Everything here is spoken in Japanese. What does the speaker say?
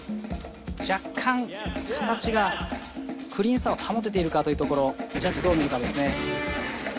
若干、形がクリーンさを保てているかというところジャッジがどう見るかですね。